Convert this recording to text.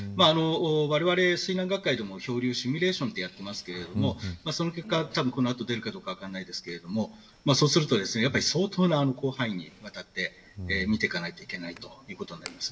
われわれ水難学会でも漂流シミュレーションをやっていますがその結果が、この後出るかどうか分かりませんけどそうすると相当な広範囲にわたって見ていかないといけないということになります。